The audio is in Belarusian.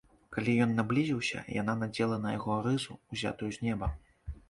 Калі ён наблізіўся, яна надзела на яго рызу, узятую з неба.